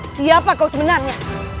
siapa kau sebenarnya